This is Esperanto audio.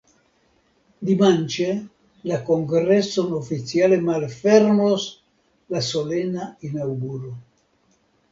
Dimanĉe la kongreson oficiale malfermos la solena inaŭguro.